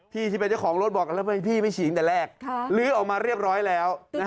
ที่เป็นเจ้าของรถบอกทำไมพี่ไม่ฉีกตั้งแต่แรกลื้อออกมาเรียบร้อยแล้ว